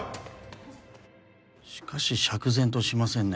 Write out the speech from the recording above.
しかし釈然としませんね。